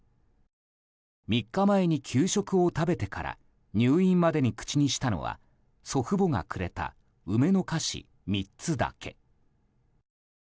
３日前に給食を食べてから入院までに口にしたのは祖父母がくれた梅の菓子３つだけ。